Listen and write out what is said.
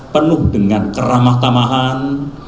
penuh dengan keramah tamahan